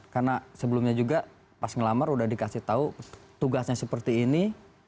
karena sebelumnya juga pas ngelamar sudah dikasih tahu tugasnya seperti ini